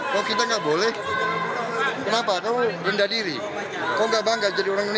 kalau kita nggak boleh kenapa kamu rendah diri kamu nggak bangga jadi orang indonesia